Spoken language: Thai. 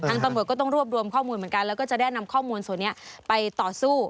ตำรวจก็ต้องรวบรวมข้อมูลเหมือนกันแล้วก็จะได้นำข้อมูลส่วนนี้ไปต่อสู้